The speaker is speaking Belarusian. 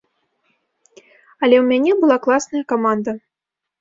Але ў мяне была класная каманда.